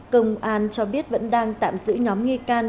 công an cho biết vẫn đang tạm giữ nhóm nghi can